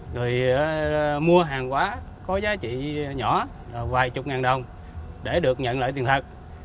người mua hàng quả có giá trị nhỏ là vài chục ngàn đồng để được nhận lại tiền thật